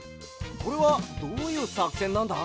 これはどういうさくせんなんだ？